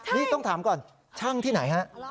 นี่ต้องถามก่อนช่างที่ไหนฮะ